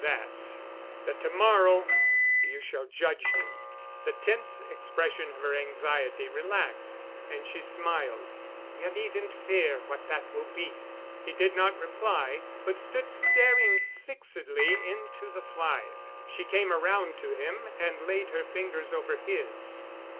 "That—that to morrow—you shall judge me." The tense expression of her anxiety relaxed and she smiled. "You needn't fear what that will be." He did not reply but stood staring fixedly into the fire. She came around to him and laid her fingers over his.